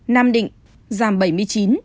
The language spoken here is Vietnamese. nam định giảm bảy mươi chín